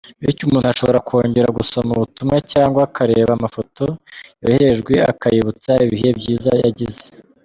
Bityo umuntu ashobora kongera gusoma ubutumwa cyangwa akareba amafoto yohererejwe akiyibutsa ibihe byiza yagize.